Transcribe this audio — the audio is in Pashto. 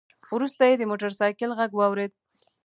وروسته يې د موټر سايکل غږ واورېد.